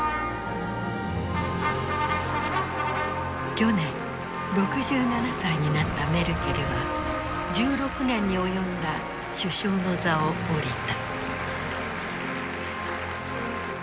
去年６７歳になったメルケルは１６年に及んだ首相の座を降りた。